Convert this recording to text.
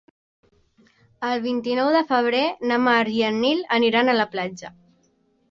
El vint-i-nou de febrer na Mar i en Nil aniran a la platja.